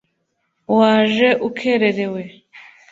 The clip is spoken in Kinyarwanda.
Waje ukererewe